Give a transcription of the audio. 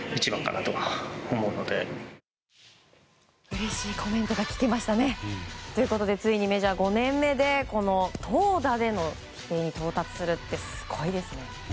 うれしいコメントが聞けましたね。ということでついにメジャー５年目でこの投打での規定到達するってすごいですね。